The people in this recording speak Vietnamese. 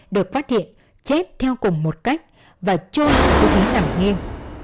được phát hiện chết theo cùng một cách và trôi vào vùng gáy nằm nghiêng